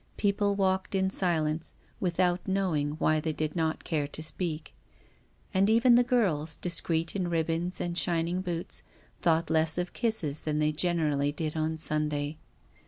People walked in silence without knowing why they did not care to speak. And even the girls, discreet in ribbons and shining boots, thought less of kisses than they generally did on Sunday.